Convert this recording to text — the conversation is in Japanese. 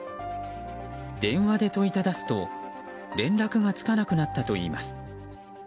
電話で問いただすと連絡がつかなくなったといいます。